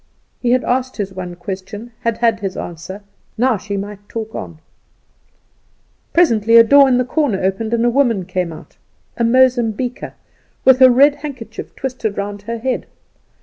He had asked his one question, and had had his answer; now she might talk on. Presently a door in the corner opened and a woman came out a Mozambiquer, with a red handkerchief twisted round her head.